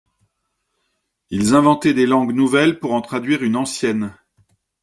Ils inventaient des langues nouvelles pour en traduire une ancienne.